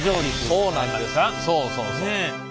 そうそうそう。